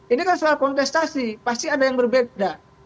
ini kan soal kontestasi pasti ada yang berbeda